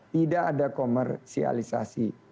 tidak ada komersialisasi